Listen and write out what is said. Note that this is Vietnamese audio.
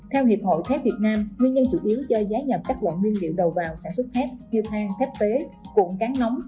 theo hiệp hội thép việt nam nguyên nhân chủ yếu cho giá nhập các loại nguyên liệu đầu vào sản xuất thép như thang thép phế cuộn cán nóng